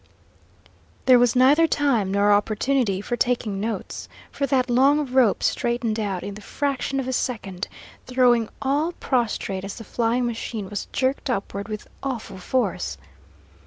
There was neither time nor opportunity for taking notes, for that long rope straightened out in the fraction of a second, throwing all prostrate as the flying machine was jerked upward with awful force.